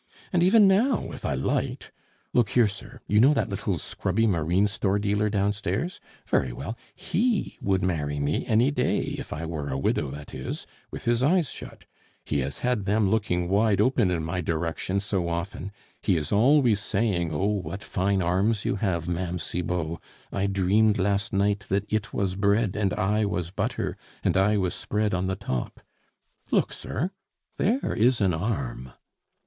And even now if I liked Look here, sir, you know that little scrubby marine store dealer downstairs? Very well, he would marry me any day, if I were a widow that is, with his eyes shut; he has had them looking wide open in my direction so often; he is always saying, 'Oh! what fine arms you have, Ma'am Cibot! I dreamed last night that it was bread and I was butter, and I was spread on the top.' Look, sir, there is an arm!"